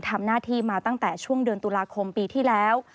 ทำหน้าที่มาตั้งแต่ช่วงเดือนตุลาคมปีที่แล้ว